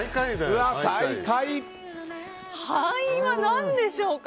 敗因は何でしょうか。